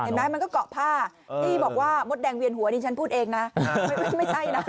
มันก็เกาะผ้าที่บอกว่ามดแดงเวียนหัวนี่ฉันพูดเองนะไม่ใช่นะ